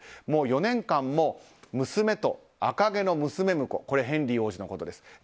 もう４年間も娘と赤毛の娘婿ヘンリー王子のことです。